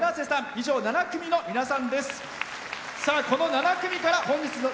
以上、７組の皆さんです。